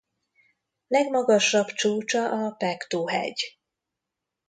Legmagasabb csúcsa a Pektu-hegy.